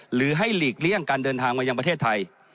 หรือให้หลีกเลี่ยงการเดินทางมายังประเทศไทย